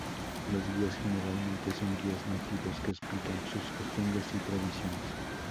Los guías generalmente son guías nativos que explican sus costumbres y tradiciones.